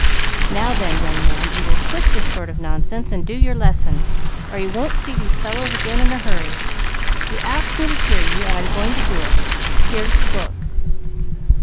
"Now then, young man, you will quit this sort of nonsense and do your lesson, or you won't see these fellows again in a hurry. You asked me to hear you, and I'm going to do it; here's the book."